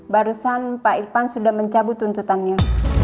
barusan pak irfan sudah mencabut tuntutannya